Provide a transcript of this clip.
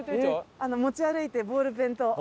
持ち歩いてボールペンと。